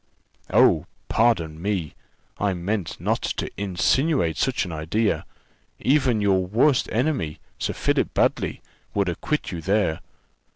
"Oh! pardon me; I meant not to insinuate such an idea: even your worst enemy, Sir Philip Baddely, would acquit you there.